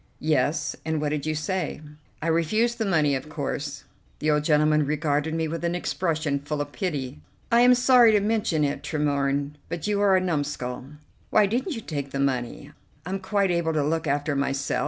"Yes, and what did you say?" "I refused the money, of course." The old gentleman regarded me with an expression full of pity. "I am sorry to mention it, Tremorne, but you are a numskull. Why didn't you take the money? I'm quite able to look after myself.